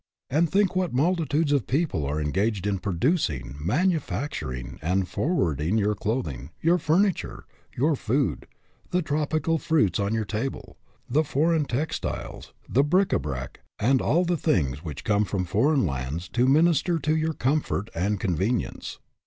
And think what multitudes of people are engaged in producing, manufacturing and forwarding your clothing, your furniture, your food, the tropical fruits on your table, the foreign tex tiles, the bric a brac, and all the things which come from foreign lands to minister to your comfort and convenience.